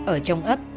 ở trong ấp